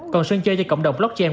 còn sân chơi cho cộng đồng blockchain